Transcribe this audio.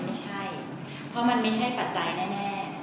ไม่ใช่เพราะมันไม่ใช่ปัจจัยแน่